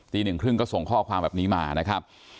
หนึ่งครึ่งก็ส่งข้อความแบบนี้มานะครับ